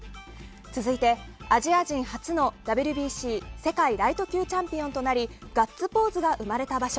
続いて、アジア人初のＷＢＣ世界ライト級チャンピオンとなりガッツポーズが生まれた場所